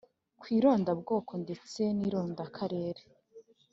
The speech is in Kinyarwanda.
ku irondabwoko ndetse n irondakarere